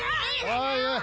おいおい！